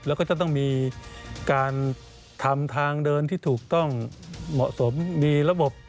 แล้วก็จะต้องมีการทำทางเดินที่ถูกต้องเหมาะสมมีระบบ